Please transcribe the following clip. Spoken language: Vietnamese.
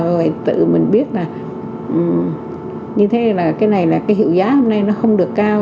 rồi tự mình biết là như thế là cái này là cái hiệu giá hôm nay nó không được cao